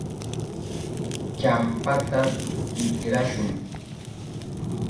champata tikrashun.